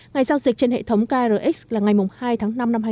ngày giao dịch trên hệ thống krx là ngày hai tháng năm năm hai nghìn hai mươi